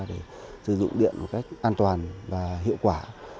để sử dụng điện một cách an toàn và hiệu quả